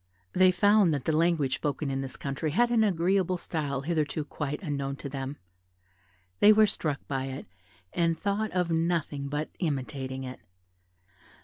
They found that the language spoken in this country had an agreeable style hitherto quite unknown to them; they were struck by it, and thought of nothing but imitating it.